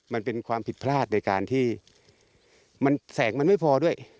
มันเป็นความผิดพลาดในการที่มันแสงมันไม่พอด้วย